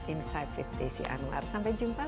insight with desi anwar sampai jumpa